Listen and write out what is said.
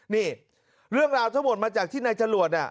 นี่เรื่องราวทั้งหมดมาจากที่นายจรวด